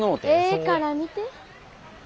ええから見て。